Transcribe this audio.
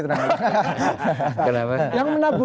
kenapa yang menabuh